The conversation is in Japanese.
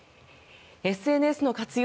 ＳＮＳの活用